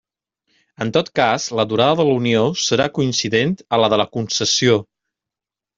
En tot cas, la durada de la unió serà coincident a la de la concessió.